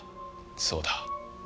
そうだ。